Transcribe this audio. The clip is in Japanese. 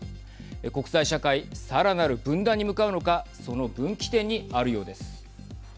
国際社会さらなる分断に向かうのかその分岐点にあるようです。